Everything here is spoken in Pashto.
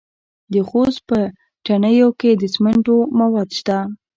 د خوست په تڼیو کې د سمنټو مواد شته.